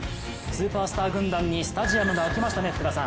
スーパースター軍団にスタジアムが沸きましたね。